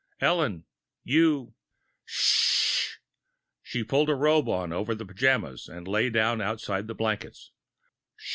"Ellen, you " "Shh!" She pulled a robe over the pajamas and lay down, outside the blankets.